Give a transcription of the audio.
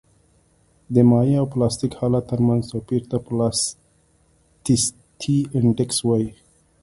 د مایع او پلاستیک حالت ترمنځ توپیر ته پلاستیسیتي انډیکس وایي